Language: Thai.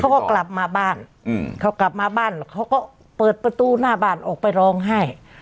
กลับมาบ้านเขากลับมาบ้านแล้วเขาก็เปิดประตูหน้าบ้านออกไปร้องไห้